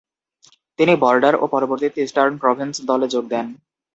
তিনি বর্ডার ও পরবর্তীতে ইস্টার্ন প্রভিন্স দলে যোগ দেন।